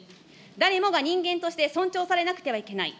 誰もが人間として尊重されなくてはいけない。